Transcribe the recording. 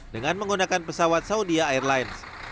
dengan menggunakan pesawat saudi airlines